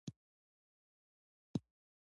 د میوو د راټولولو لپاره کارګران ګمارل کیږي.